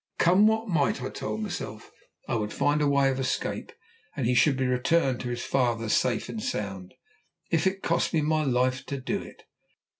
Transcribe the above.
Come what might, I told myself, I would find a way of escape, and he should be returned to his father safe and sound, if it cost me my life to do it.